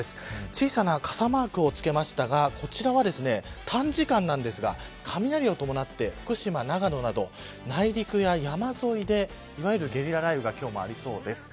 小さな傘マークをつけましたがこちらはですね３時間なんですが雷を伴って福島、長野など内陸や山沿いでいわゆるゲリラ雷雨が今日もありそうです。